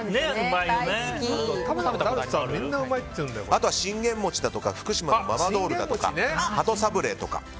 あとは信玄餅だとか福島のままどおるだとか鳩サブレとか。